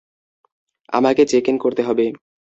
আমাকে check in করতে হবে।